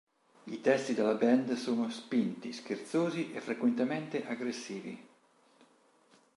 I testi della band sono spinti, scherzosi e frequentemente aggressivi.